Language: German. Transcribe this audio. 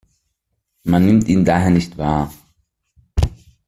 Man nimmt ihn daher nicht wahr.